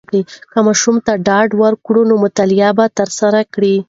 که ماشوم ته ډاډ ورکړو، نو مطالعه به تر لاسه کړي.